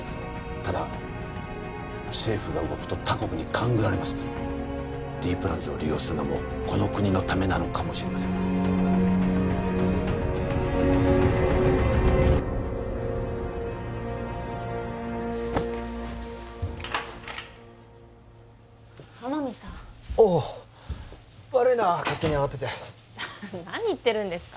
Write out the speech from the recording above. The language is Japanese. ただ政府が動くと他国に勘ぐられますＤプランズを利用するのもこの国のためなのかもしれません天海さんああ悪いな勝手に上がってて何言ってるんですか